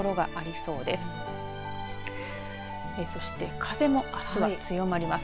そして、風もあすは強まります。